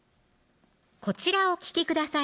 こちらをお聴きください